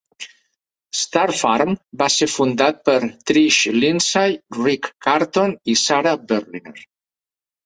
Star Farm va ser fundat per Trish Lindsay, Rick Carton i Sara Berliner.